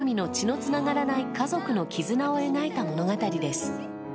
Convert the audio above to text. ２組の、血のつながらない家族の絆を描いた物語です。